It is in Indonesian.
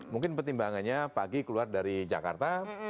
mungkin pertimbangannya pagi keluar dari jakarta